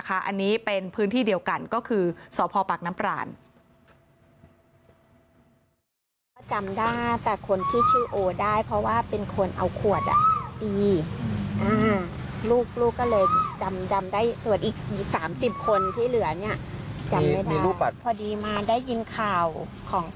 อันนี้เป็นพื้นที่เดียวกันก็คือสพปากน้ำปราน